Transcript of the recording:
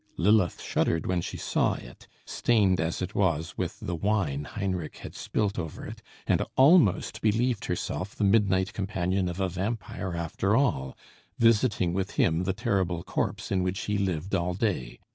Lilith shuddered when she saw it, stained as it was with the wine Heinrich had spilt over it, and almost believed herself the midnight companion of a vampire after all, visiting with him the terrible corpse in which he lived all day.